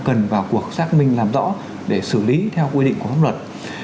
cần vào cuộc xác minh làm rõ để xử lý theo quy định của pháp luật